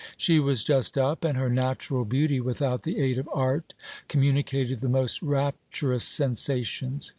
She was just up ; and her natural beauty, without the aid of art, com municated the most rapturous sensations.